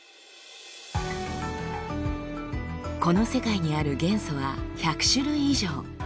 この世界にある元素は１００種類以上。